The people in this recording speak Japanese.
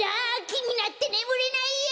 きになってねむれないよ！